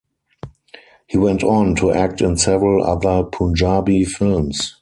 He went on to act in several other Punjabi films.